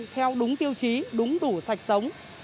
theo đúng tiêu chí đúng đủ sạch sống